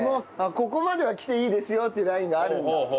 ここまでは来ていいですよっていうラインがあるんだ。